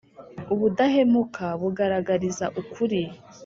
Ubudahemuka bugaragariza ukuri.